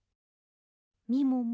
みもも。